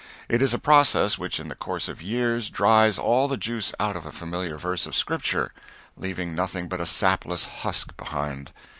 It is a process which in the course of years dries all the juice out of a familiar verse of Scripture, leaving nothing but a sapless husk behind.